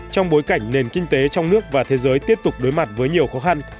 trong bối cảnh nền kinh tế trong nước và thế giới tiếp tục đối mặt với nhiều khó khăn